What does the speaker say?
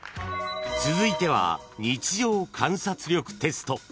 ［続いては日常観察力テスト］